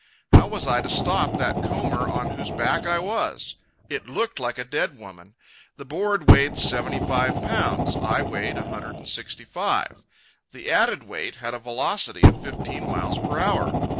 How was I to stop that comber on whose back I was? It looked like a dead woman. The board weighed seventy five pounds, I weighed a hundred and sixty five. The added weight had a velocity of fifteen miles per hour.